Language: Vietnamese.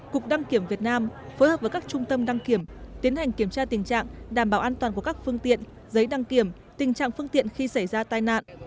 cục đăng kiểm việt nam phối hợp với các trung tâm đăng kiểm tiến hành kiểm tra tình trạng đảm bảo an toàn của các phương tiện giấy đăng kiểm tình trạng phương tiện khi xảy ra tai nạn